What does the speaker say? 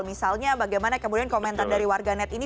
misalnya bagaimana kemudian komentar dari warganet ini